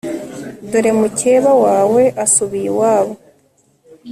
dore mukeba wawe asubiye iwabo